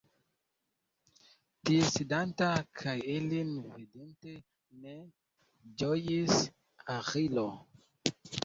Tie sidanta, kaj ilin vidinte ne ĝojis Aĥilo.